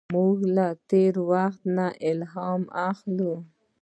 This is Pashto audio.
موږ له تېر وخت نه الهام اخلو.